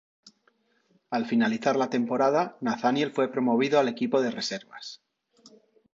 Al finalizar la temporada, Nathaniel fue promovido al equipo de reservas.